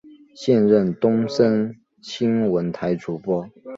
现任东森新闻台主播。